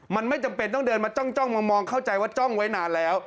มันไม่จำเป็นต้องเดินมาจ้องมองเข้าใจว่าจ้องไว้นานแล้ว